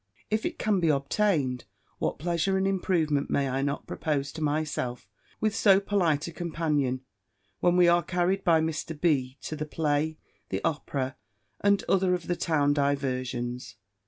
"If it can be obtained, what pleasure and improvement may I not propose to myself, with so polite a companion, when we are carried by Mr. B. to the play, the opera, and other of the town diversions!